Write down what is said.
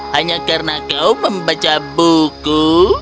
hanya karena kau membaca buku